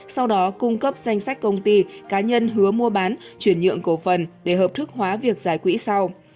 sau đó cung cấp danh sách công ty cá nhân hứa mua bán chuyển nhượng cổ phần để hợp thức hóa việc giải quỹ sau